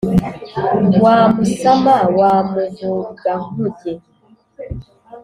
Wa musama wa muvugankuge